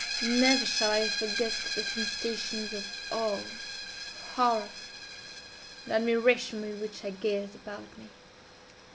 "Never shall I forget the sensations of awe, horror, and admiration with which I gazed about me.